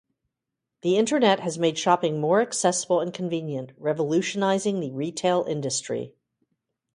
The Internet has made shopping more accessible and convenient, revolutionizing the retail industry.